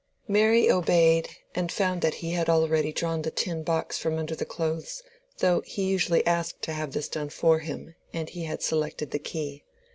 Mary obeyed, and found that he had already drawn the tin box from under the clothes, though he usually asked to have this done for him; and he had selected the key.